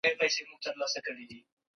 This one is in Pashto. موږ به په راتلونکي کې نوې خپرونې ولرو.